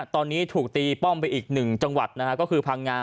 ตอนนี้ถูกตีป้อมไปอีก๑จังหวัดนะฮะก็คือพังงาน